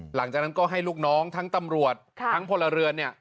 หลังจากนั้นก็ให้ลูกน้องทั้งตำรวจทั้งพลเรือนเนี่ย